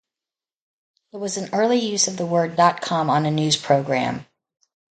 It was an early use of the word "dot-com" on a news program.